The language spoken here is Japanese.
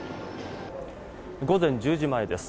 午前１０時前です。